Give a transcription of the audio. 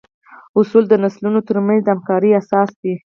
اصول د نسلونو تر منځ د همکارۍ اساس دي.